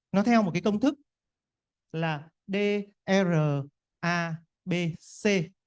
nó theo một công thức là d r a b c